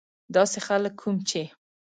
داسې خلک کوم چې.